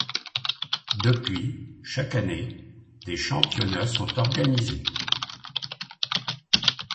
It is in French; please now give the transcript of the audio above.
Depuis, chaque année, des championnats sont organisés.